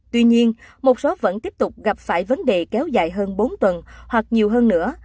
tuy nhiên một số vẫn tiếp tục gặp phải vấn đề kéo dài hơn bốn tuần hoặc nhiều hơn nữa